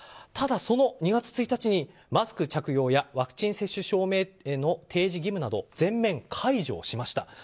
ただ、その２月１日にマスク着用やワクチン接種証明の提示義務など全面解除をしました。